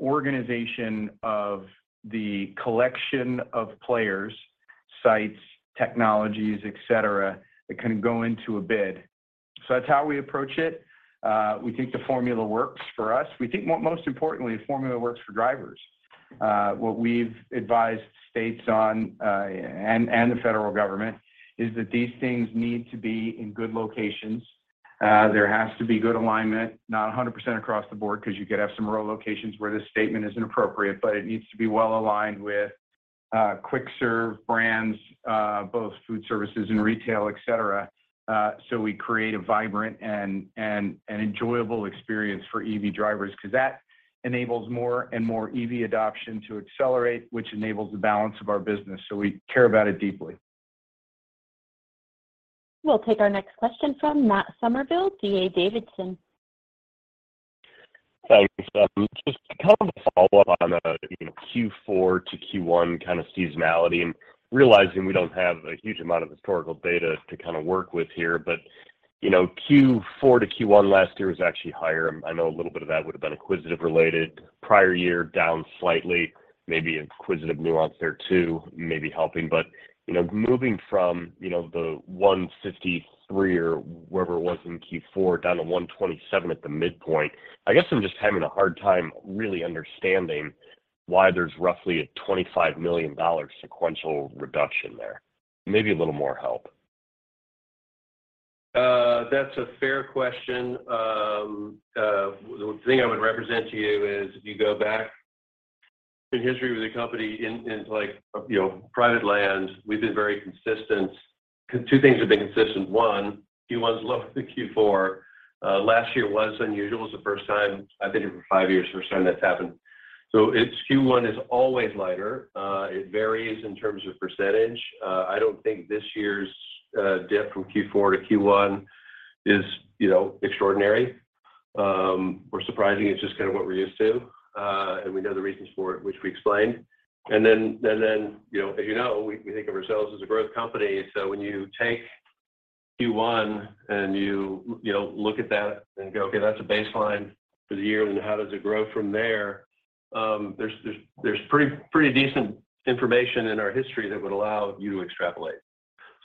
organization of the collection of players, sites, technologies, et cetera, that kind of go into a bid. That's how we approach it. We think the formula works for us. We think what most importantly, the formula works for drivers. What we've advised states on and the federal government is that these things need to be in good locations. There has to be good alignment, not 100% across the board because you could have some rural locations where this statement isn't appropriate, but it needs to be well aligned with quick serve brands, both food services and retail, et cetera. We create a vibrant and an enjoyable experience for EV drivers because that enables more and more EV adoption to accelerate, which enables the balance of our business. We care about it deeply. We'll take our next question from Matt Summerville, D.A. Davidson. Thanks. Just to kind of follow up on, you know, Q4 to Q1 kind of seasonality and realizing we don't have a huge amount of historical data to kind of work with here. You know, Q4 to Q1 last year was actually higher. I know a little bit of that would have been acquisitive related. Prior year down slightly, maybe acquisitive nuance there too, maybe helping. You know, moving from, you know, the 153 or wherever it was in Q4 down to 127 at the midpoint. I guess I'm just having a hard time really understanding why there's roughly a $25 million sequential reduction there. Maybe a little more help. That's a fair question. The thing I would represent to you is if you go back in history with the company in like, you know, private land, we've been very consistent. Two things have been consistent. One, Q1 is lower than Q4. Last year was unusual. It was the first time I've been here for five years, first time that's happened. Q1 is always lighter. It varies in terms of percentage. I don't think this year's dip from Q4 to Q1 is, you know, extraordinary or surprising. It's just kind of what we're used to. We know the reasons for it, which we explained. Then, you know, as you know, we think of ourselves as a growth company. When you take Q1 and you know, look at that and go, "Okay, that's a baseline for the year, and how does it grow from there?" There's pretty decent information in our history that would allow you to extrapolate.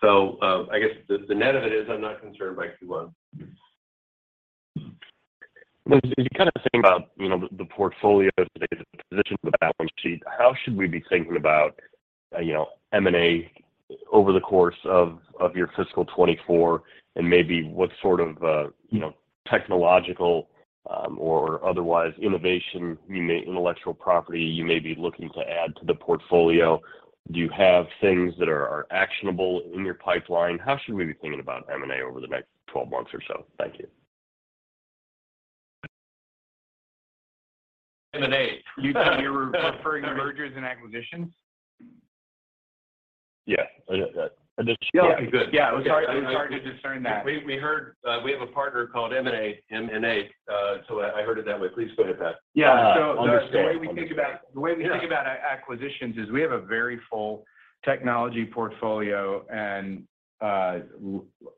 I guess the net of it is I'm not concerned by Q1. When you kind of think about, you know, the portfolio today, the position of the balance sheet, how should we be thinking about, you know, M&A over the course of your fiscal 2024 and maybe what sort of, you know, technological or otherwise innovation, intellectual property you may be looking to add to the portfolio? Do you have things that are actionable in your pipeline? How should we be thinking about M&A over the next 12 months or so? Thank you. M&A. You think you're referring to mergers and acquisitions? Yeah. That. Yeah. Good. Yeah. I'm sorry to discern that. We heard, we have a partner called M&A, M and A, so I heard it that way. Please go ahead, Pat. Yeah. Understand. The way we think about acquisitions is we have a very full technology portfolio and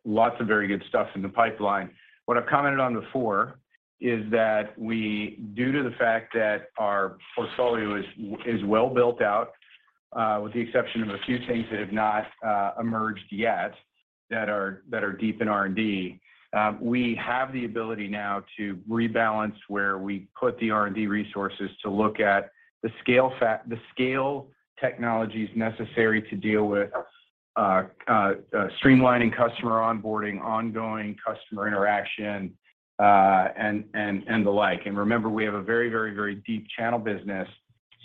lots of very good stuff in the pipeline. What I've commented on before is that due to the fact that our portfolio is well built out, with the exception of a few things that have not emerged yet that are, that are deep in R&D, we have the ability now to rebalance where we put the R&D resources to look at the scale technologies necessary to deal with streamlining customer onboarding, ongoing customer interaction, and the like. Remember, we have a very, very deep channel business.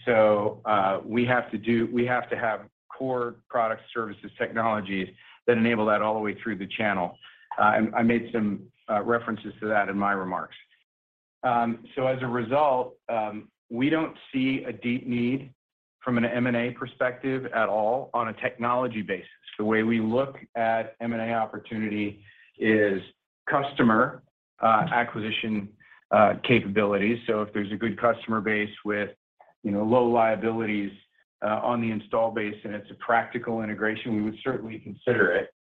We have to have core product services technologies that enable that all the way through the channel. I made some references to that in my remarks. As a result, we don't see a deep need from an M&A perspective at all on a technology basis. The way we look at M&A opportunity is customer acquisition capabilities. If there's a good customer base with, you know, low liabilities on the install base and it's a practical integration, we would certainly consider it.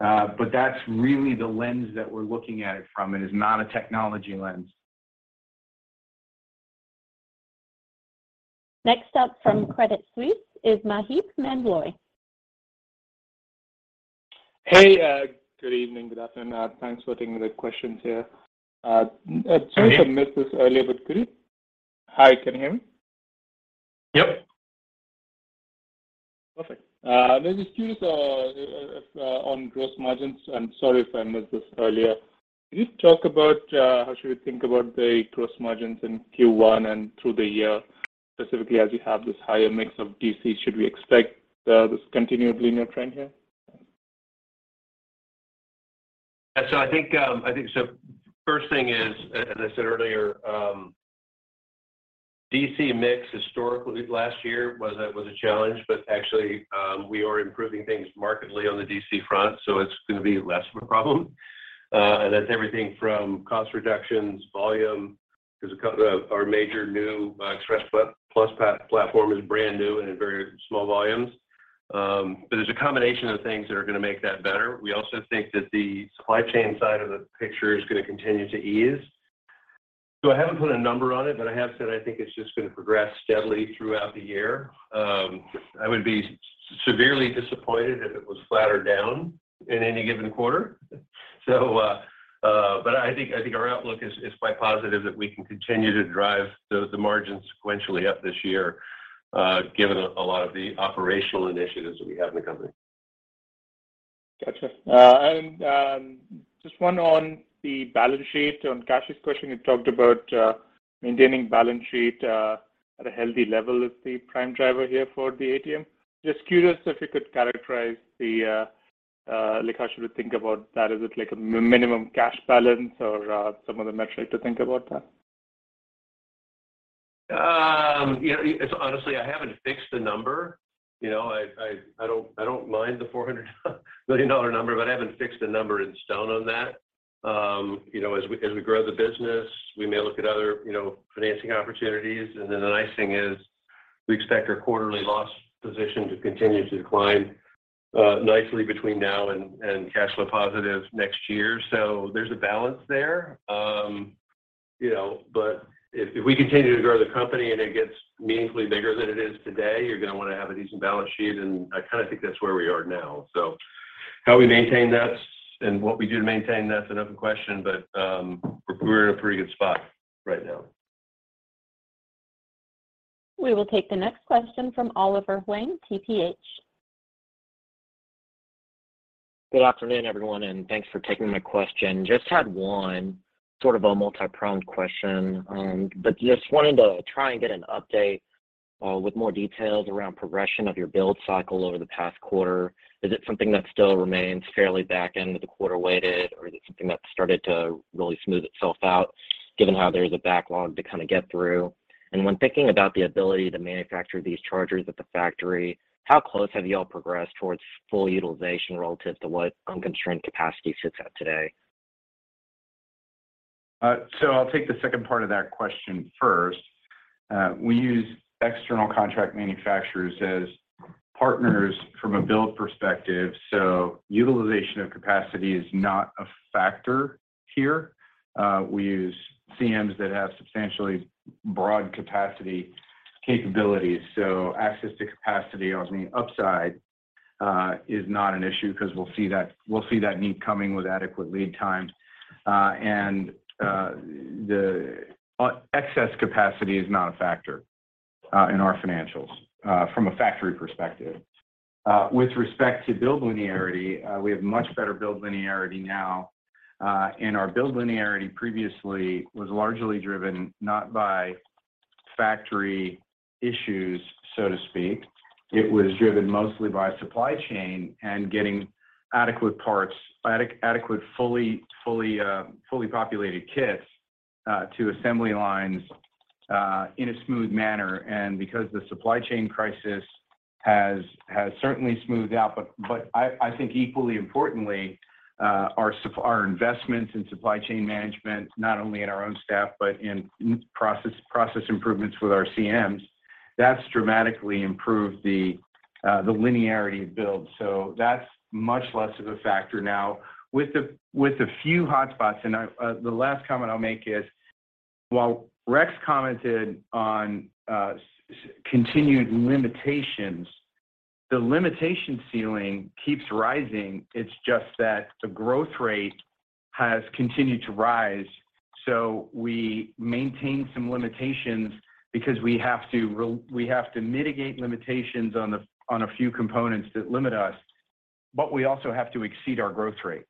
That's really the lens that we're looking at it from. It is not a technology lens. Next up from Credit Suisse is Maheep Mandloi. Hey, good evening, good afternoon. Thanks for taking the questions here. Sorry if I missed this earlier, but hi, can you hear me? Yep. Perfect. Maybe just curious, if on gross margins, and sorry if I missed this earlier. Can you talk about how should we think about the gross margins in Q1 and through the year, specifically as you have this higher mix of DC? Should we expect this continued linear trend here? I think first thing is, as I said earlier, DC mix historically last year was a challenge, actually, we are improving things markedly on the DC front, it's gonna be less of a problem. That's everything from cost reductions, volume. There's our major new Express Plus platform is brand new and in very small volumes. There's a combination of things that are gonna make that better. We also think that the supply chain side of the picture is gonna continue to ease. I haven't put a number on it, I have said I think it's just gonna progress steadily throughout the year. I would be severely disappointed if it was flat or down in any given quarter. I think our outlook is quite positive that we can continue to drive the margins sequentially up this year, given a lot of the operational initiatives that we have in the company. Gotcha. Just one on the balance sheet. On Kashy's question, you talked about maintaining balance sheet at a healthy level is the prime driver here for the ATM. Just curious if you could characterize like how should we think about that. Is it like a minimum cash balance or some other metric to think about that? You know, it's honestly, I haven't fixed a number. You know, I don't mind the $400 million number, but I haven't fixed a number in stone on that. You know, as we grow the business, we may look at other, you know, financing opportunities. The nice thing is we expect our quarterly loss position to continue to decline, nicely between now and cash flow positive next year. There's a balance there. You know, if we continue to grow the company and it gets meaningfully bigger than it is today, you're gonna wanna have a decent balance sheet, and I kinda think that's where we are now. How we maintain that and what we do to maintain that is an open question, but, we're in a pretty good spot right now. We will take the next question from Oliver Huang, TPH. Good afternoon, everyone, and thanks for taking my question. Just had one sort of a multi-pronged question. Just wanted to try and get an update, with more details around progression of your build cycle over the past quarter. Is it something that still remains fairly back-end of the quarter-weighted, or is it something that's started to really smooth itself out given how there's a backlog to kind of get through? When thinking about the ability to manufacture these chargers at the factory, how close have you all progressed towards full utilization relative to what unconstrained capacity sits at today? I'll take the second part of that question first. We use external contract manufacturers as partners from a build perspective, so utilization of capacity is not a factor here. We use CMs that have substantially broad capacity capabilities, so access to capacity on the upside, is not an issue 'cause we'll see that need coming with adequate lead times. The excess capacity is not a factor in our financials from a factory perspective. With respect to build linearity, we have much better build linearity now. Our build linearity previously was largely driven not by factory issues, so to speak. It was driven mostly by supply chain and getting adequate parts, adequate, fully populated kits to assembly lines in a smooth manner. Because the supply chain crisis has certainly smoothed out, but I think equally importantly, our investments in supply chain management, not only in our own staff, but in process improvements with our CMs, that's dramatically improved the linearity of build. That's much less of a factor now with a few hotspots. I, the last comment I'll make is, while Rex commented on continued limitations, the limitation ceiling keeps rising. It's just that the growth rate has continued to rise. We maintain some limitations because we have to mitigate limitations on a few components that limit us, but we also have to exceed our growth rate.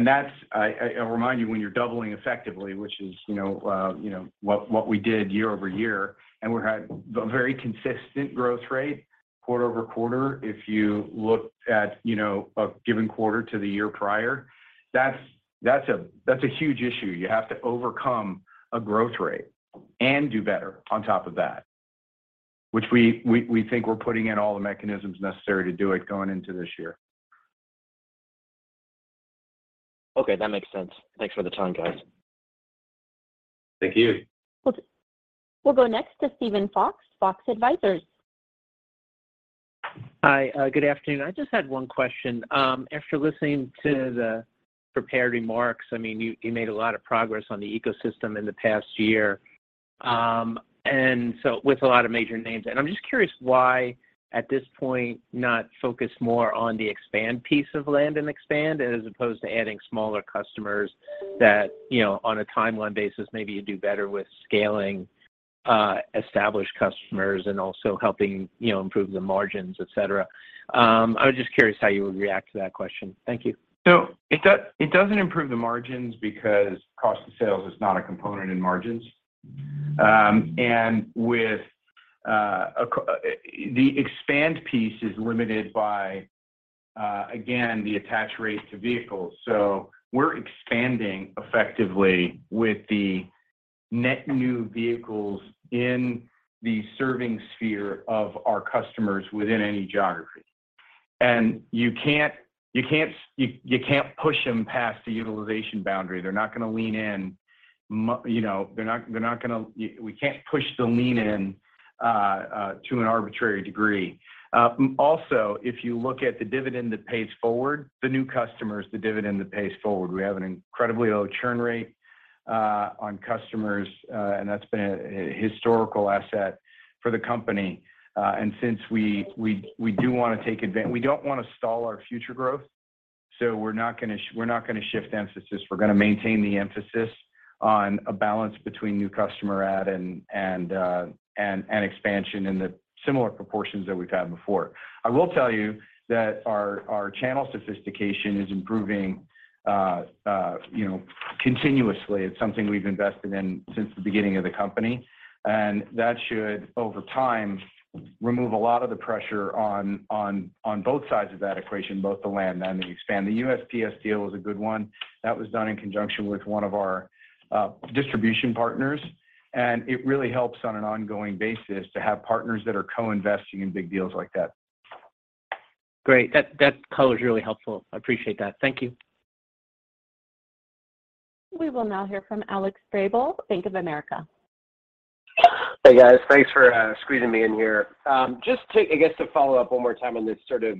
That's, I'll remind you, when you're doubling effectively, which is, you know, what we did year-over-year, and we had a very consistent growth rate quarter-over-quarter. If you look at, you know, a given quarter to the year prior, that's a huge issue. You have to overcome a growth rate and do better on top of that, which we think we're putting in all the mechanisms necessary to do it going into this year. Okay, that makes sense. Thanks for the time, guys. Thank you. We'll go next to Steven Fox, Fox Advisors. Hi. Good afternoon. I just had 1 question. After listening to the prepared remarks, I mean, you made a lot of progress on the ecosystem in the past year. With a lot of major names. I'm just curious why, at this point, not focus more on the expand piece of land and expand as opposed to adding smaller customers that, you know, on a timeline basis, maybe you do better with scaling established customers and also helping, you know, improve the margins, et cetera. I was just curious how you would react to that question. Thank you. It doesn't improve the margins because cost of sales is not a component in margins. And with, the expand piece is limited by, again, the attach rate to vehicles. We're expanding effectively with the net new vehicles in the serving sphere of our customers within any geography. You can't push them past the utilization boundary. They're not gonna lean in you know, they're not gonna we can't push the lean in to an arbitrary degree. Also, if you look at the dividend that pays forward, the new customers, the dividend that pays forward, we have an incredibly low churn rate on customers. That's been a historical asset for the company. Since we do wanna take we don't wanna stall our future growth, we're not gonna shift emphasis. We're gonna maintain the emphasis on a balance between new customer add and expansion in the similar proportions that we've had before. I will tell you that our channel sophistication is improving, you know, continuously. It's something we've invested in since the beginning of the company, and that should, over time, remove a lot of the pressure on both sides of that equation, both the land and the expand. The USPS deal was a good one. That was done in conjunction with one of our distribution partners, and it really helps on an ongoing basis to have partners that are co-investing in big deals like that. Great. That color's really helpful. I appreciate that. Thank you. We will now hear from Alex Vrabel, Bank of America. Hey, guys. Thanks for squeezing me in here. Just to, I guess, to follow up one more time on this sort of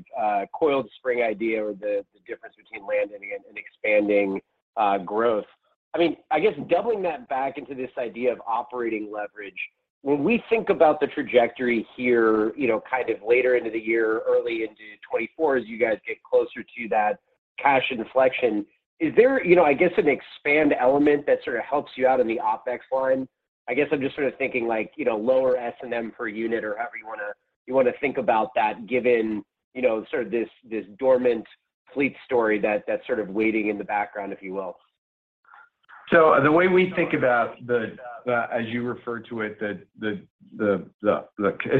coiled spring idea or the difference between landing and expanding growth. I mean, I guess doubling that back into this idea of operating leverage, when we think about the trajectory here, you know, kind of later into the year, early into 2024 as you guys get closer to that cash inflection, is there, you know, I guess an expand element that sort of helps you out in the OpEx line? I guess I'm just sort of thinking like, you know, lower S&M per unit or however you wanna, you wanna think about that given, you know, sort of this dormant fleet story that's sort of waiting in the background, if you will. The way we think about the, as you refer to it's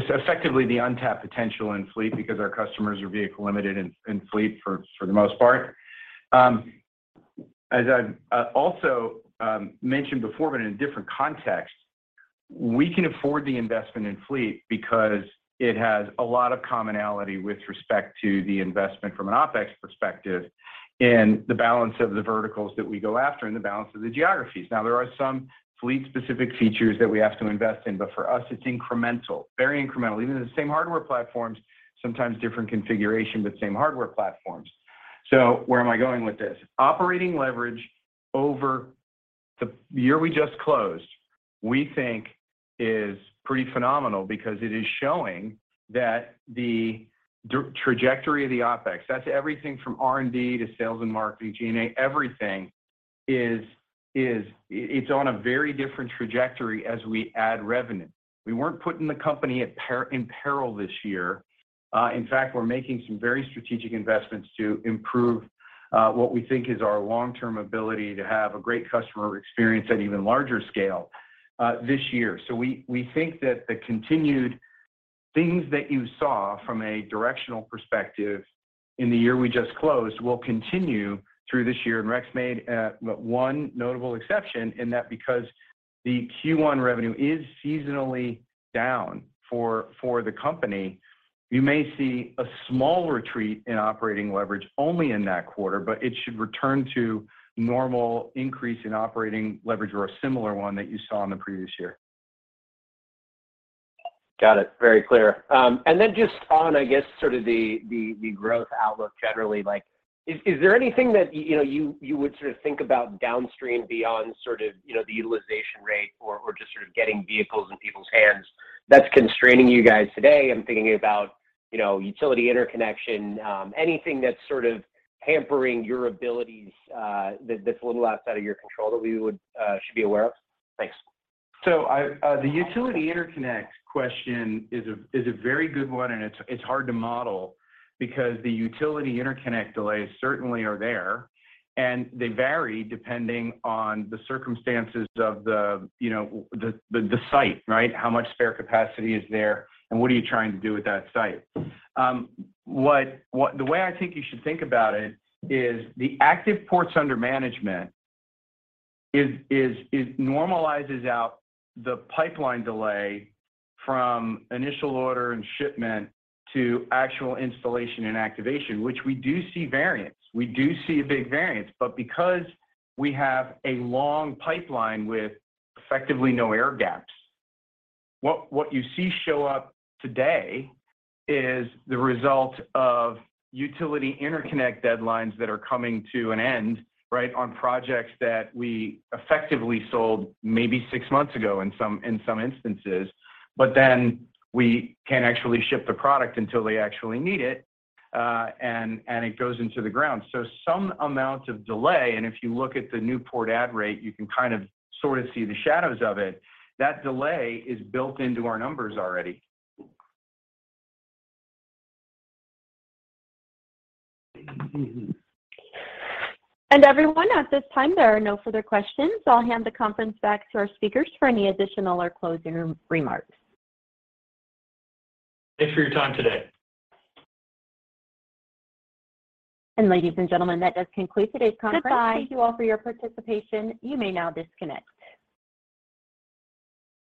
effectively the untapped potential in fleet because our customers are vehicle limited in fleet for the most part. As I've also mentioned before but in a different context, we can afford the investment in fleet because it has a lot of commonality with respect to the investment from an OpEx perspective and the balance of the verticals that we go after and the balance of the geographies. There are some fleet-specific features that we have to invest in, but for us it's incremental, very incremental. Even the same hardware platforms, sometimes different configuration, but the same hardware platforms. Where am I going with this? Operating leverage over the year we just closed, we think is pretty phenomenal because it is showing that the trajectory of the OpEx, that's everything from R&D to sales and marketing, G&A, everything is on a very different trajectory as we add revenue. We weren't putting the company in peril this year. In fact, we're making some very strategic investments to improve what we think is our long-term ability to have a great customer experience at even larger scale this year. We think that the continued things that you saw from a directional perspective in the year we just closed will continue through this year. Rex made one notable exception in that because the Q1 revenue is seasonally down for the company, you may see a small retreat in operating leverage only in that quarter, but it should return to normal increase in operating leverage or a similar one that you saw in the previous year. Got it. Very clear. Then just on, I guess, sort of the growth outlook generally, like is there anything that you know, you would sort of think about downstream beyond sort of, you know, the utilization rate or just sort of getting vehicles in people's hands that's constraining you guys today? I'm thinking about, you know, utility interconnection, anything that's sort of hampering your abilities, that's a little outside of your control that we would should be aware of? Thanks. The utility interconnect question is a very good one. It's hard to model because the utility interconnect delays certainly are there. They vary depending on the circumstances of you know, the site, right? How much spare capacity is there, and what are you trying to do with that site? What the way I think you should think about it is the active ports under management normalizes out the pipeline delay from initial order and shipment to actual installation and activation, which we do see variance. We do see a big variance. Because we have a long pipeline with effectively no air gaps, what you see show up today is the result of utility interconnect deadlines that are coming to an end, right, on projects that we effectively sold maybe six months ago in some instances. Then we can't actually ship the product until they actually need it, and it goes into the ground. Some amount of delay, and if you look at the new port add rate, you can kind of, sort of see the shadows of it. That delay is built into our numbers already. Everyone, at this time, there are no further questions. I'll hand the conference back to our speakers for any additional or closing remarks. Thanks for your time today. Ladies and gentlemen, that does conclude today's conference. Goodbye. Thank you all for your participation. You may now disconnect.